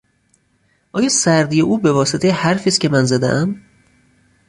آیا سردی او به واسطهی حرفی است که من زدهام؟